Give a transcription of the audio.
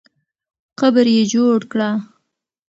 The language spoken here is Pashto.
قبر یې جوړ کړه.